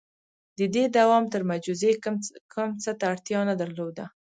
• د دې دوام تر معجزې کم څه ته اړتیا نه درلوده.